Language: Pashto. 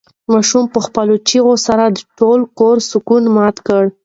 ماشوم په خپلو چیغو سره د ټول کور سکون مات کړ.